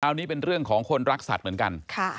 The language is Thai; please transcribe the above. อันนี้เป็นเรื่องของคนรักสัตว์เหมือนกัน